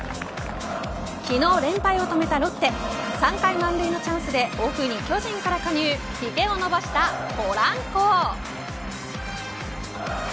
昨日連敗を止めたロッテ３回満塁のチャンスでオフに巨人から加入ひげを伸ばしたポランコ。